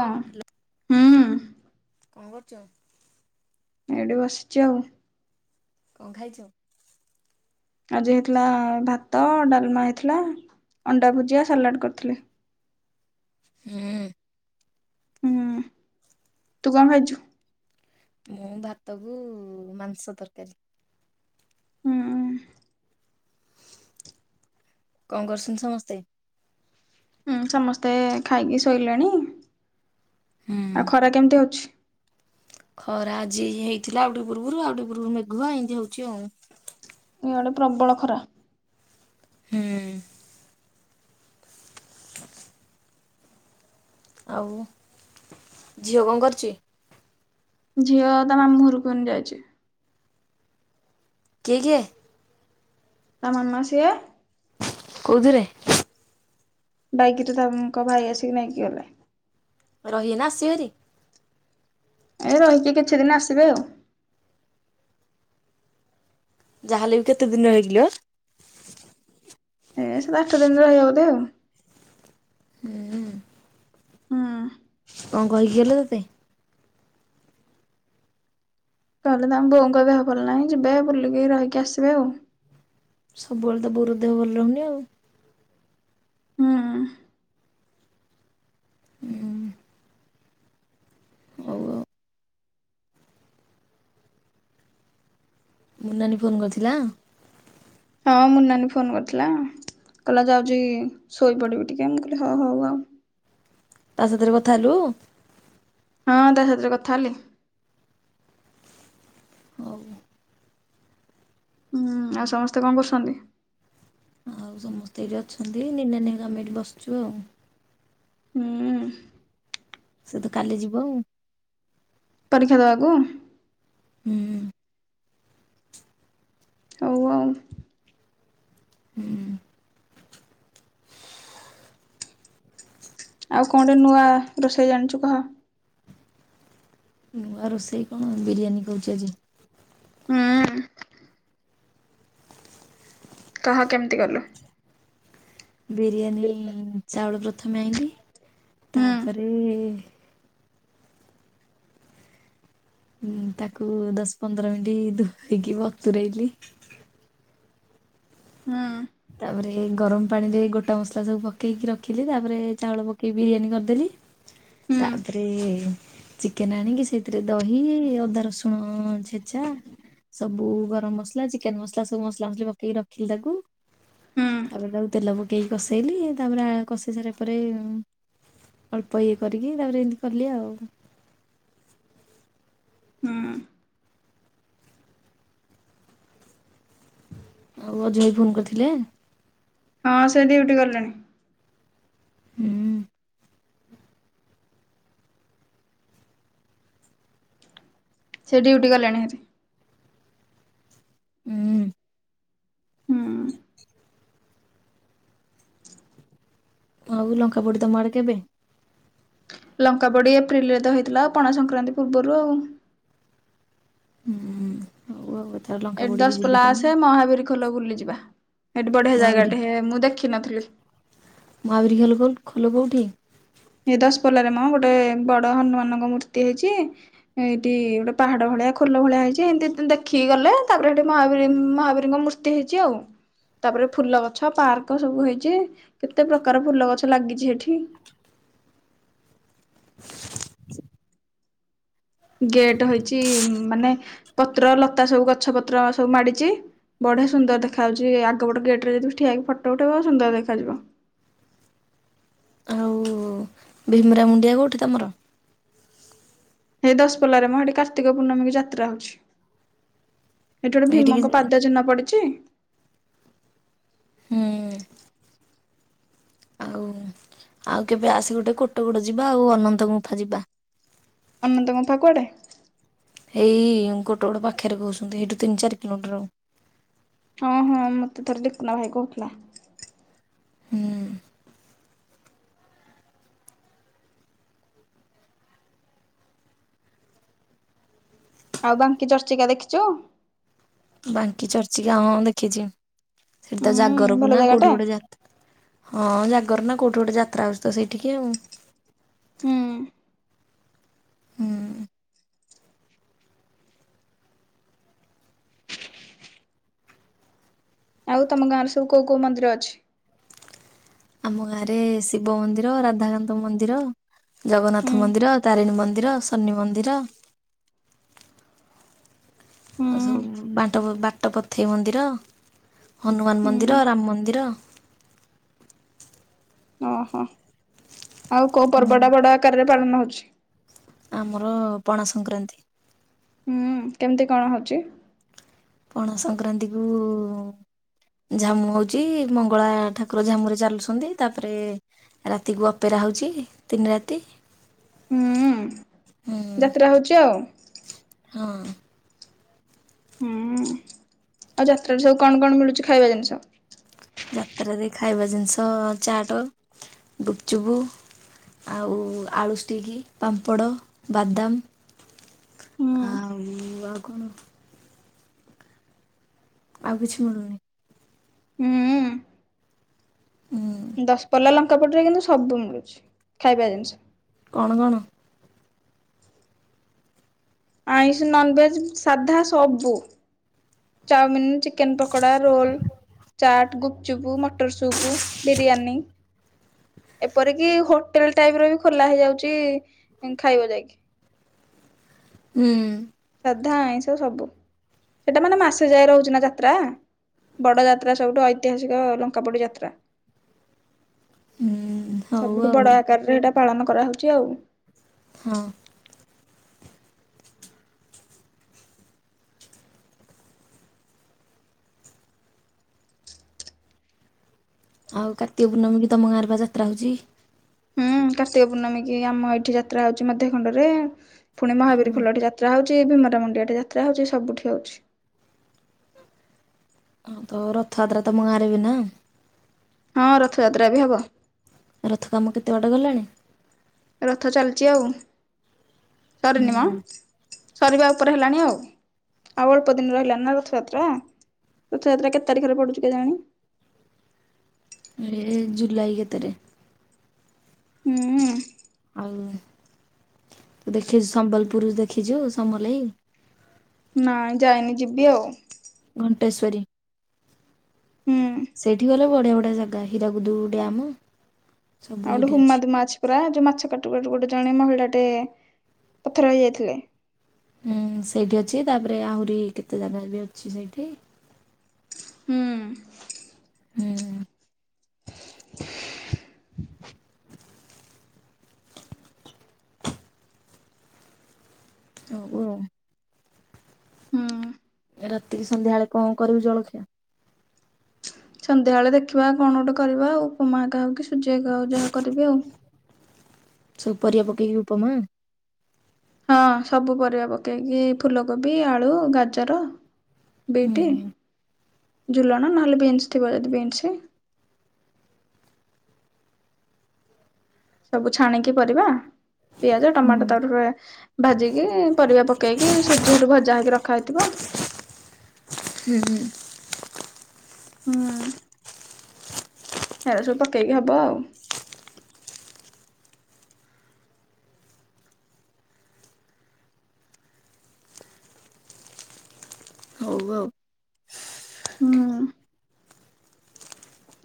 ହଁ ହୁଁ କଣ କରୁଛ? ଏଇଠି ବସିଚି ଆଉ କଣ ଖାଇଛୁ? ଆଜି ହେଇଥିଲା ଭାତ ଡାଲମା ହେଇଥିଲା ଅଣ୍ଡା ଭୁଜିଆ ସାଲାଡ କରିଥିଲେ ହୁଁ। ହୁଁ ତୁ କଣ ଖାଇଛୁ? ମୁଁ ଭାତ କୁ ମାଂସ ତରକାରୀ ହୁଁ କଣ କରୁଛନ୍ତି ସମସ୍ତେ ହୁଁ ସମସ୍ତେ ଖାଇକି ଶୋଇଲେଣି ହୁଁ ଆଉ ଖରା କେମିତି ହଉଛି? ଖରା ଆଜି ହେଇଥିଲା ଆଉଟିକେ ପୂର୍ବରୁ ଆଉଟିକେ ପୂର୍ବରୁ ମେଘୁଆ ଏମିତି ହଉଛି ଆଉ। ଇଆଡେ ପ୍ରବଳ ଖରା ହୁଁ। ଆଉ ଝିଅ କଣ କରୁଚି? ଝିଅ ତା ମାମୁଁ ଘରକନ ଯାଇଛି କିଏ କିଏ? ତା ମାନେମା ସେଇଆ କୋଉଥିରେ ବାଇକରେ ତାଙ୍କ ଭାଇ ଆସିକି ନେଇକି ଗଲେ। ରହିବେ ନା ଆସିବେ ଭାରି ଏ ରହିକି କିଛି ଦିନ ଆସିବେ ଆଉ ଯାହାହେଲେ ବି କେତେ ଦିନ ରହିବେ କିଲୋ ଏ ସାତ ଆଠ ଦିନ ରହିବେ ବୋଧେ ଆଉ ହୁଁ। ହଁ। କଣ କହିକି ଗଲେ ତୋତେ? ତା ହେଲେ ବୋଉଙ୍କ ଦେହଭଲନାହିଁ ଯିବେ ବୁଲିକି ରହିକି ଆସିବେ ଆଉ। ସବୁବେଳେ ତ ବୋଉର ଦେହ ଭଲ ରହୁନି ଆଉ। ହୁଁ। ହୁଁ ଆଉ ଆ ମୁନୀ ନାନୀ ଫୋନ୍ କରିଥିଲା। ହଁ ମୁନୀ ନାନୀ ଫୋନ କରିଥିଲା। କହିଲା ଯାଉଚି ଶୋଇ ପଡିବି ଟିକେ ମୁ କହିଲି ହଉ ହଉ ଆଉ। ତା ସାଥିରେ କଥା ହେଲୁ? ହଁ ତା ସାଥିରେ କଥା ହେଲି। ହଉ। ହୁଁ ଆଉ ସମସ୍ତେ କଣ କରୁଛନ୍ତି? ଆଉ ସମସ୍ତେ ଏଇଠି ଅଛନ୍ତି ନିନ୍ନାନୀ ଘରେ ଆମେ ଏଇଠି ବସିଛୁ ଆଉ। ହୁଁ। ସେ ତ କାଲି ଯିବ ଆଉ। ପରୀକ୍ଷା ଦବାକୁୁ? ହୁଁ। ହଉ ଆଉ। ହୁଁ। ଆଉ କଣ ଟେ ନୂଆ ରୋଷେଇ ଜାଣିଛୁ କହ? ଆଉ ରୋଷେଇ କଣ ବିରିୟାନୀ କରୁଛି ଆଜି। ହୁଁ। କହ କେମିତି କଲୁ? ବିରିୟାନୀ ଚାଉଳ ପ୍ରଥମେ ଆଣିଲି ହୁଁ ତାପରେ ଉଁ ତାକୁ ଦଶ ପନ୍ଦର ମିନିଟ୍ ଧୋଇକି ବତୁରେଇଲି। ହୁଁ। ତାପରେ ଗରମ ପାଣିରେ ଗୋଟା ମସଲା ସବୁ ପକେଇକି ରଖିଲି ତାପରେ ଚାଉଳ ପକେଇକି ବିରିୟାନୀ କରିଦେଲି ହୁଁ ତାପରେ ଚିକେନ ଆଣିକି ସେଇଥିରେ ଦହି ଅଦା ରସୁଣ ଛେଚା ସବୁ ଗରମ ମସଲା ଚିକେନ ମସଲା ସବୁ ମସଲା ମସଲି ପକେଇକି ରଖିଲି ତାକୁ ହୁଁ ତାପରେ ତାକୁ ତେଲ ପକେଇକି କଷେଇଲି ତାପରେ କଷେଇ ସାରିଲା ପରେ ଅଳ୍ପ ଇଏ କରିକି ତାପରେ ଏମିତି କଲି ଆଉ ହୁଁ। ଆଉ ଅଯୁ ଭାଇ ଫୋନ କରିଥିଲେ। ହଁ ସେ ଡ୍ୟୁଟି ଗଲେଣି। ହୁଁ। ସେ ଡ୍ୟୁଟିଗଲେଣିହେରି। ହୁଁ। ହୁଁ ଆଉ ଲଙ୍କାପଡି ତମ ଆଡେ କେବେ? ଲଙ୍କା ପଡି ଏପ୍ରିଲରେ ତ ହେଇଥିଲା ଆଉ ପଣା ସଂକ୍ରାନ୍ତି ପୂର୍ବରୁ ଆଉ। ହୁଁ ହଉ ଆଉ। ଏଥର ଲଙ୍କା ଏଠ ପୋଡିକି ଯିବି ଦଶପଲ୍ଲା ତମ ଆସେ ମହାବୀର ଖୋଲ ବୁଲି ଯିବା। ଏଠି ବଢିଆ ମହାବୀର ଜାଗାଟେ ମୁଁ ଦେଖିନଥିଲି। ପି ଏ ଦଶପଲ୍ଲାରେ ମ ଗୋଟେ ବଡ ହନୁମାନଙ୍କ ମୂର୍ତ୍ତି ହେଇଛି ଏଇଠି ଗୋଟେ ପାହାଡ ଭଳିଆ ଫୁଲ ଭଳିଆ ହେଇଛି ଏମିତି ଦେଖିକି ଗଲେ ତାପରେ ସେଠି ମହାବୀର ମହାବୀରଙ୍କ ମୂର୍ତ୍ତି ହେଇଛି ଆଉ। ତାପରେ ଫୁଲ ଗଛ ପାର୍କ ସବୁ ହେଇଛି କେତେ ପ୍ରକାର ଫୁଲ ଗଛ ଲାଗିଛି ହେଠି ଗେଟ ହେଇଛି ମାନେ ପତ୍ର ଲତା ସବୁ ଗଛ ପତ୍ର ସବୁ ମାଡିଛି ବଢିଆ ସୁନ୍ଦର ଦେଖା ଯାଉଛି ଆଗ ଗୋଟେ ଗେଟ ରେ ଯଦି ଠିଆହେଇକି ଫଟୋ ଉଠେଇବ ସୁନ୍ଦର ଦେଖାଯିବ। [inaudible] ଆଉ ଭୀମରା ମୁୁଣ୍ଡିଆ କୋଉଠି ତମର? ହେଇ ଦଶପଲ୍ଲାରେ ମ୍ ସେଠି କାର୍ତ୍ତିକ ପୂର୍ଣ୍ଣମୀକୁ ଯାତ୍ରା ହଉଛି ଏଠି ଗୋଟେ ଏଇଠିକି ଭୀମଙ୍କ ପାଦ ଚିହ୍ନା ପଡିଛି ହୁଁ ହ [inaudible] ଆଉ ଆଉ କେବେ ଆସି ଗୋଟେ କୋଟଗୋଡ ଯିବା ଆଉ ଅନନ୍ତ ଗୁମ୍ଫା ଯିବା ଅନନ୍ତ ଗୁମ୍ଫା କୁଆଡ଼େ ଏଇ କୋଟଗଡ ପାଖରେ କହୁଛନ୍ତି ଏଇଠୁ ତିନି ଚାରି କିଲୋମିଟର ଆଉ ହଁ ହଁ ମତେ ଥରେ ଦୁଖୁନା ଭାଇ କହୁଥିଲା। ହୁଁ। ଆଉ ବାଙ୍କି ଚର୍ଚିକା ଦେଖିଛୁ ବାଙ୍କି ଚର୍ଚିକା ହଁଁ ଦେଖିଛି ସେଠି ତ ହୁଁ ଜାଗରକୁ ଭଲ ନା ଜାଗାଟା କୋଉଠି ଗୋଟେ ଯାତ ହଁ ଜାଗ ଜାଗର ନା କୋଉଠି ଗୋଟେ ଯାତ୍ରା ଆଉଛି ତ ସେଠିକି ଆମ ହୁଁ ହୁଁ ଆଉ ତମ ଗାଁ ରେ ସବୁ କୋଉ କୋଉ ମନ୍ଦିର ଅଛି ଆମ ଗାଁରେ ଶିବ ମନ୍ଦିର ରାଧାକାନ୍ତ ମନ୍ଦିର ହୁଁ ଜଗନ୍ନାଥ ମନ୍ଦିର ତାରିଣୀ ମନ୍ଦିର ସନି ମନ୍ଦିର [inaudible] ଆଉ ହୁଁ ସବୁ ବାଟ ବାଟ ପଥେଇ ମନ୍ଦିର ହନୁମାନ ହୁଁ ମନ୍ଦିର ରାମ ମନ୍ଦିର ଓହୋ ଆଉ କୋଉ ହୁଁ ପର୍ବଟା ବଡ ଆକାରରେ ପାଳନ ହଉଛି। ଆମର ପଣା ସଂକ୍ରାନ୍ତି। ହୁଁ କେମିତି କଣ ହଉଛି? ପଣା ସଂକ୍ରାନ୍ତିକୁ। ଝାମୁ ହଉଛି ମଙ୍ଗଳା ଠାକୁର ଝାମୁ ରେ ଚାଲୁଛନ୍ତି ତାପରେ ରାତିକୁ ଅପେରା ରହୁଛି ତିନି ରାତି ହୁଁ ହୁଁ ଯାତ୍ରା ହଉଛି ଆଉ ହଁ ହୁଁ ଆଉ ଯାତ୍ରାରେ ସବୁ କଣ କଣ ମିଳୁଛି ଖାଇବା ଜିନିଷ ଯାତ୍ରାରେ ଖାଇବା ଜିନିଷ ଚାଟ ଗୁପଚୁବୁ ଆଉ ଆଳୁ ଷ୍ଟିକ ପାମ୍ପଡ଼ ହୁଁ ବାଦାମ ଆଉ ଆଉ କଣ? ଆଉ କିଛି ମିଳୁନି। ହୁଁ ଦଶପଲା ଲଙ୍କା ପଟରେ କିନ୍ତୁ ସବୁ ମିଳୁଛି ଖାଇବା ଜିନିଷ କଣ କଣ? ଆଇସ ନନଭେଜ ସାଧା ସବବୁ chowmein chicken pakora roll chaat ଗୁପଚୁପ୍ ମଟର ଚୁପୁ ବିରିୟାନୀ ଏପରିକି ହୋଟେଲ ଟାଇପ ର ବି ଖୋଲା ହେଇଯାଉଛି ଖାଇବା ଯାଇକି ହୁଁ। ଧା ଆଇ ସବୁ ସେଟା ମାନେ ଆସ ଯାଏ ରହୁଛି ନା ଯାତ୍ରା ବଡ ଯାତ୍ରା ସବୁଠୁ ଐତିହାସିକ ଲଙ୍କା ପଡି ଯାତ୍ରା ହୁଁ ହଉ ସବୁଠୁ ଆଉ ବଡ ଆକାରରେ ଏଇଟା ପାଳନ କରାହଉଛି ଆଉ ହଁ। ଆଉ କାର୍ତ୍ତିକ ପୂର୍ଣ୍ଣମୀ କି ତମ ଗାଁ ର ବା ଯାତ୍ରା ହଉଛି। ହୁଁ କାର୍ତ୍ତିକ ପୂର୍ଣ୍ଣମୀ କି ଆମ ଏଇଠି ଯାତ୍ରା ହଉଛି ମଧ୍ୟ ଖଣ୍ଡରେ ପୁଣି ମହାବୀ ଆଉ ଖୋଲଟି ଯାତ୍ରା ହଉ ଛି ବି ମରା ମଣ୍ଡିଆ ଟେ ଯାତ୍ରା ହୋଉଚି ସବୁଠି ହଉଛି। ହଁ ତ ରଥଯାତ୍ରା ତମ ଗାଁ ରେ ବି ନା ହଁ ରଥଯାତ୍ରା ବି ହବ। ରଥ କାମ କେତେ ଅଟେ ଗଲାଣି? ରଥ ଚାଲିଛି ଆଉ ସରିନି ମ। ହୁଁ। ସରିବା ଉପରେ ହେଲାଣି ଆଉ ଆଉ ଅଳ୍ପ ଦିନ୍ ରହିଲାନି ନା ରଥଯାତ୍ରା ରଥଯାତ୍ରା କେତେ ତାରିଖରେ ପଡୁଚି କେଜାଣି? ଏ ଜୁଲାଇ କେତେରେ ହୁଁ। ଆଉ ଦେଖିଛୁ ସମ୍ବଲପୁରୁ ଦେଖିଛୁ ସମଲାଇ? ନାଁ ଯାଇନି ଯିବି ଆଉ। କଣ୍ଟେସ୍ବରି ହୁଁ। ସେଇଠି ଗଲା ବଢିଆ ବଢିଆ ଜାଗା ହୀରାକୁୁଦୁ ଡ୍ୟାମ୍ ଆଉ ଗୋଟେ ହୁମା ଦମା ଅଛି ପୁରା ଯେ ମାଛ କାଟୁ କାଟୁ ଗୋଟେ ଜଣେ ମହିଳାଟେ ପଥର ହେଇଯାଇଥିଲେ। ହୁଁ ସେଇଠି ଅଛି ତାପରେ ଆହୁରି କେତେ ଜାଗା ବି ଅଛି ସେଇଠି। ହୁଁ। ହୁଁ। ନୋବୁ ରୁ ହୁଁ। ରାତିି କି ସନ୍ଧ୍ୟାଳେ କଁ କରିବୁ ଜଳଖିଆ? ସନ୍ଧ୍ୟାଳେ ଦେଖିବା କଣ ଗୋଟେ କରିବା ଆଉ ଉପମାଟା ହୋଉ ସୁଜି ହେକା ହୋଉ ଯାହା କରିବି ଆଉ। ସବୁ ପରରିିବା ପକେଇକି ଉପମା ହଁ ସବୁ ପରିବା ପକେଇକି ଫୁଲକୋବି, ଆଳୁ, ଗାଜର ବିଟି ଝୁଲଣ ନହେଲେ ବିନ୍ସ୍ ଥିବ ଯଦି ବିନ୍ସି। ସବୁ ଛାଣିକି ପରିବା ପିଆଜ ହୁଁ। ଟମାଟୋ ତାପରେ ଭାଜିକି ପରିବା ପକେଇକି ସୁଜି ହେଠୁ ଭଜା ହେଇକି ରଖା ହେଇଥିବ। ହୁଁ ହୁଁ। ହୁଁ। ହେରା ସବୁ ପକେଇକି ହବ ଆଉ। ହଉ ଆଉ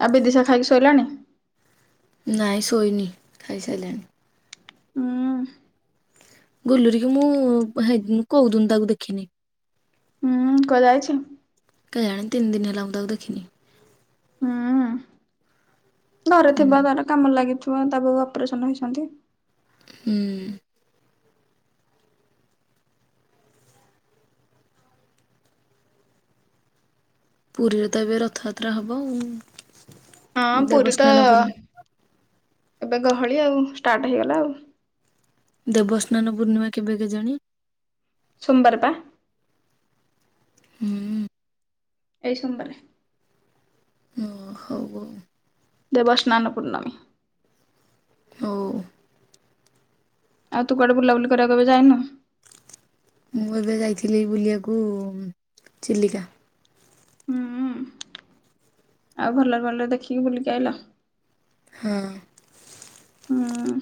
ଆବେ ଦିଶା ଖାଇକି ଶୋଇଲାଣି? ନାଇଁ ସୋଇନି ଖାଇସାଇଲାଣି। ଉଁ। ଗୁଲୁରି କି ମୁଁ ହେ କଉଦୁନୁ ତାକୁ ଦେଖିନି। ହୁଁ କୁଆ ଯାଇଛି? କେଜାଣି ତିନ୍ ଦିନ୍ ହେଲା ମୁଁ ତାକୁ ଦେଖିନି। ହୁଁ ଘରେ ହୁଁ ଥିବ ତାର କାମରେ ଲାଗିଥି ତା ବୋଉ ଅପରେସନ ହେଇଛନ୍ତି। ହୁଁ। ପୁରୀରେ ତ ଏବେ ରଥଯାତ୍ରା ହବ ଆଉ। ହଁ ପୁରୀ ତ ଦେବସ୍ନାନ ପୂର୍ଣ୍ଣି ଏବେ ଗହଳି ଆଉ, ଷ୍ଟାର୍ଟ ହେଇଗଲା ଆଉ। ଦେବସ୍ନାନ ପୂର୍ଣ୍ଣିମା କେବେ କେଜାଣି? ସୋମ୍ ବାରେ ପା। ହୁଁ। ଏଇ ସୋମ୍ ବାରେ। ଓ ହଉ ଆଉ। ଦେବସ୍ନାନ ପୂର୍ଣ୍ଣମୀ। ହଉ। ଆଉ ତୁ କୁଆଡେ ବୁଲାବୁଲି କରିବାକୁ ଏବେ ଯାଇନୁ ମୁଁ ଏବେ ଯାଇଥିଲି ବୁଲିବାକୁ ଚିଲିକା ହୁଁ ଆଉ ଭଲରେ ଭଲରେ ଦେଖିକି ବୁଲିକି ଆଇିଲ ହଁ। ହଁ।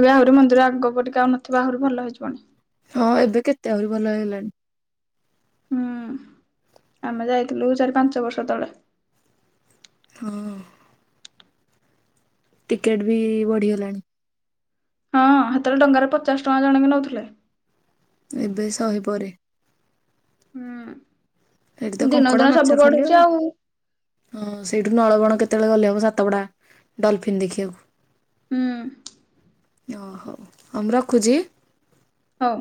ଏବେ ଆହୁରି ମନ୍ଦିର ଆଗ ପଟକୁ ଆଉ ନଥିବା ଆହୁରି ଭଲ ହେଇଯିବଣି ହଁ ଏବେ କେତେ ଆହୁରି ଭଲ ହେଇଗଲାଣି। ହଁ ଆମେ ଯାଇଥିଲୁ ଚାରି ପାଞ୍ଚ ବର୍ଷ ତଳେ ହଁ। ଟିକେଟ ବି ବଢିଗଲାଣି। ହଁ ସେତେବେଳେ ଡଙ୍ଗାରେ ପଚାଶ ଟଙ୍କା ଜଣକେ ନଉଥିଲେ ଏବେ ଶହେ ପରେ ହଁ। ସେଠି ତ କଙ୍କଡା ମାଛ ଖାଲି ଆଉ ହଁ ସେଇଠି ନଳବଣ କେତେ କେତେବେଳେ ଗଲେ ହବ ସାତପଡ଼ା ଡଲଫିନ୍ ଦେଖିବାକୁ ହଁ। ଓ ହଉ ମୁଁ ରଖୁଛି। ହଉ